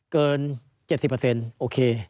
เกิน๗๐เปอร์เซ็นต์โอเค